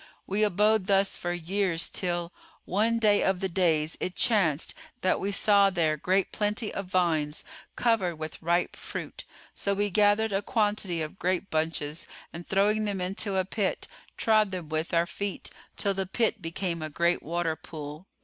We abode thus for years till, one day of the days, it chanced that we saw there great plenty of vines, covered with ripe fruit; so we gathered a quantity of grape bunches and throwing them into a pit, trod them with our feet, till the pit became a great water pool.